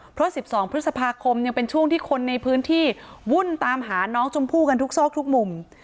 เพราะ๑๒พฤษภาคมยังเป็นช่วงที่คนในพื้นที่วุ่นตามหาน้องชมพู่กันทุกซอกทุกมุม